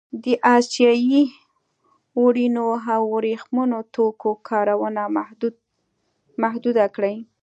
د اسیايي وړینو او ورېښمينو توکو کارونه محدوده کړي.